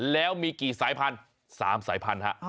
แล้วมีกี่สายพันธุ์๓สายพันธุ์ฮะ